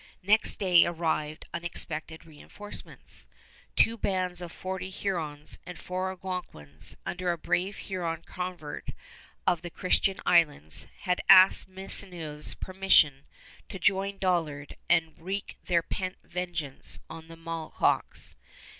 Next day arrived unexpected reënforcements. Two bands of forty Hurons and four Algonquins, under a brave Huron convert of the Christian Islands, had asked Maisonneuve's permission to join Dollard and wreak their pent vengeance on the Mohawks.